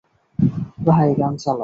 ভাই, গান চালাও।